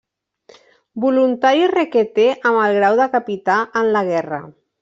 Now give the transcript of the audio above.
Voluntari requeté amb el grau de capità en la guerra.